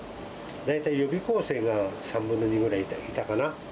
大体、予備校生が３分の２ぐらいいたかな。